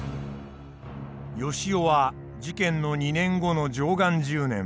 善男は事件の２年後の貞観１０年。